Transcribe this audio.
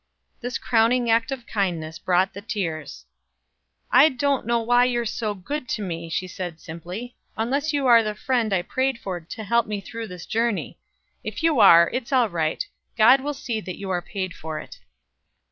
This crowning act of kindness brought the tears. "I don't know why you are so good to me," she said simply, "unless you are the friend I prayed for to help me through this journey. If you are, it's all right; God will see that you are paid for it."